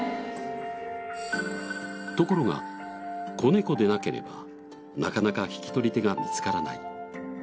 ところが子猫でなければなかなか引き取り手が見つからない。